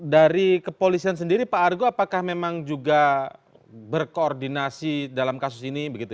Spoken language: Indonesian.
dari kepolisian sendiri pak argo apakah memang juga berkoordinasi dalam kasus ini